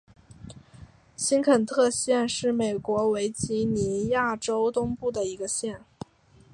新肯特县是美国维吉尼亚州东部的一个县。